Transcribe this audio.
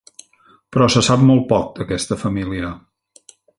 Però se sap molt poc d'aquesta família.